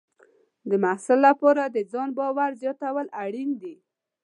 د محصل لپاره د ځان باور زیاتول اړین دي.